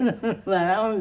笑うんだ。